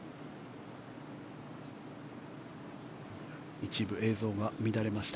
一部映像が乱れました。